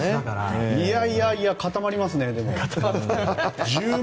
いやいやいや固まりますね。